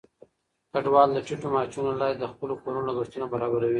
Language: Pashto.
کډوال د ټیټو معاشونو له لارې د خپلو کورونو لګښتونه برابروي.